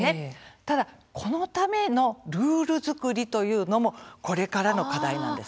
ただこのためのルール作りというのもこれからの課題なんです。